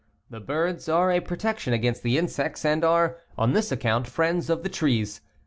The birds are a protection against the insects, and are, on this account, friends of the trees.